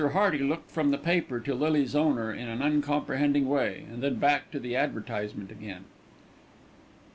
Hearty looked from the paper to Lily's owner in an uncomprehending way and then back to the advertisement again.